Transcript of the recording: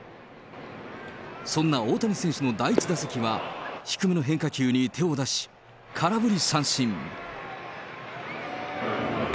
そんな大谷選手の第１打席は、低めの変化球に手を出し、空振り三振。